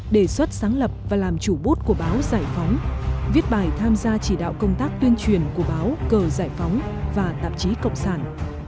đề xuất sáng lập và làm chủ bút của báo giải phóng viết bài tham gia chỉ đạo công tác tuyên truyền của báo cờ giải phóng và tạp chí cộng sản